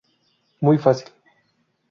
Muy fácil.